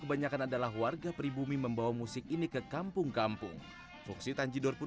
kebanyakan adalah warga pribumi membawa musik ini ke kampung kampung fungsi tanjidor pun